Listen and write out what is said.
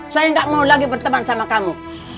saya nggak mau lagi berteman sama kamu